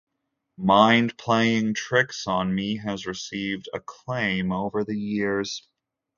"Mind Playing Tricks on Me" has received acclaim over the years.